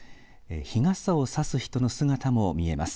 日傘をさす人の姿も見えます。